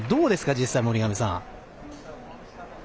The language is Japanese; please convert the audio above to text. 実際、森上さん。